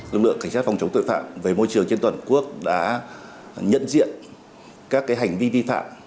lực lượng cảnh sát phòng chống tội phạm về môi trường trên toàn quốc đã nhận diện các hành vi vi phạm